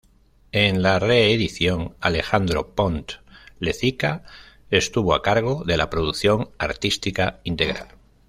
En la reedición Alejandro Pont Lezica estuvo a cargo de la producción artística integral.